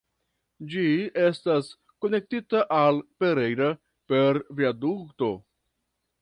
Ĝi estas konektita al "Pereira" per viadukto.